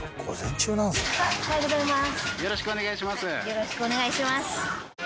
よろしくお願いします！